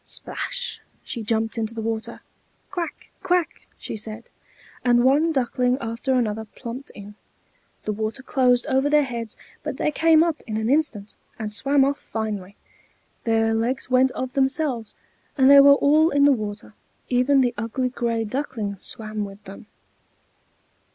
Splash! she jumped into the water. "Quack! quack!" she said, and one duckling after another plumped in. The water closed over their heads, but they came up in an instant, and swam off finely; their legs went of themselves, and they were all in the water; even the ugly gray Duckling swam with them.